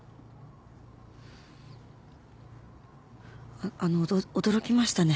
あっあのお驚きましたね